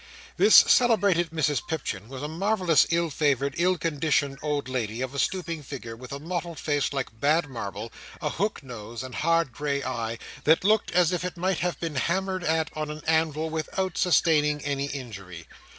This celebrated Mrs Pipchin was a marvellous ill favoured, ill conditioned old lady, of a stooping figure, with a mottled face, like bad marble, a hook nose, and a hard grey eye, that looked as if it might have been hammered at on an anvil without sustaining any injury.